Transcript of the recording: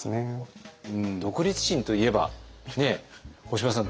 独立心といえば干場さん